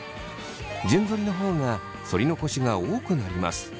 順ぞりの方がそり残しが多くなります。